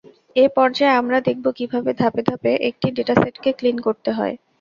এ পর্যায়ে আমরা দেখবো কীভাবে ধাপে ধাপে একটি ডেটাসেটকে ক্লিন করতে হয়।